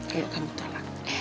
kalau kamu tolak